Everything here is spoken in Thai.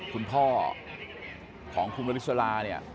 คุณพ่อของคุณนริสลาเนี่ย